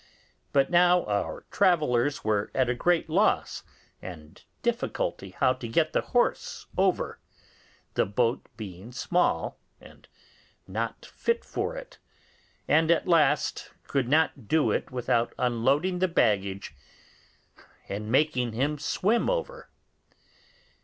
But now our travellers were at a great loss and difficulty how to get the horse over, the boat being small and not fit for it: and at last could not do it without unloading the baggage and making him swim over.